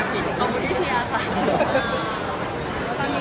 ต้องรวกยังไง